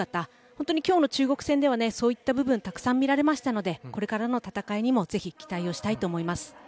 本当に今日の中国戦でそういった部分がたくさん見られましたのでこれからの戦いも期待したいと思います。